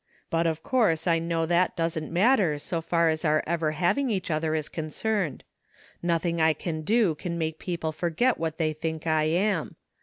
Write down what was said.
But of course I know that doesn't matter so far as our ever having each other is concerned Nothing I can do can make people forget what they think I am.